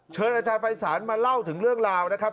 เชิญอาจารย์ภัยศาลมาเล่าถึงเรื่องราวนะครับ